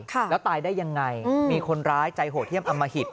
แล้วตายได้ยังไงมีคนร้ายใจโหดเยี่ยมอมหิต